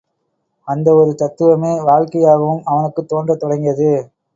அந்த ஒரு தத்துவமே வாழ்க்கையாகவும் அவனுக்குத் தோன்றத் தொடங்கியது.